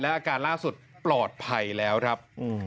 อาการล่าสุดปลอดภัยแล้วครับ